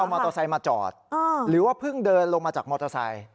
มอเตอร์ไซค์มาจอดหรือว่าเพิ่งเดินลงมาจากมอเตอร์ไซค์